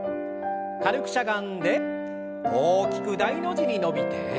軽くしゃがんで大きく大の字に伸びて。